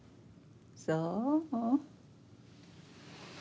そう。